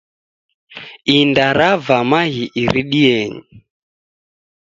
Inda rava maghi iridienyi.